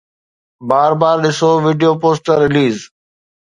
بار بار ڏسو video poster release